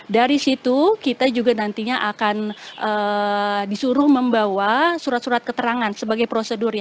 dari situ kita juga nantinya akan disuruh membawa surat surat keterangan sebagai prosedur